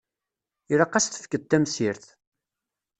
Ilaq ad s-tefkeḍ tamsirt.